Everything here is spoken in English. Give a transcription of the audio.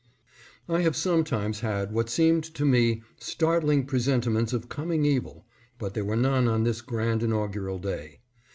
I have sometimes had what seemed to me startling pre sentiments of coming evil, but there were none on this grand inaugural day.